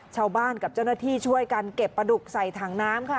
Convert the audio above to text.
ชาวบ้านกับเจ้าหน้าที่ช่วยกันเก็บปลาดุกใส่ถังน้ำค่ะ